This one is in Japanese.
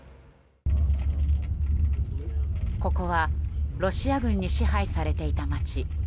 ここはロシア軍に支配されていた街